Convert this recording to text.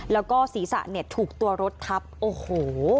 แล้วก็ศีรษะเนี่ยถูกตัวรถทับโอ้โห